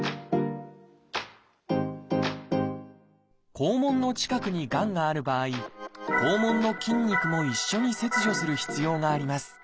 肛門の近くにがんがある場合肛門の筋肉も一緒に切除する必要があります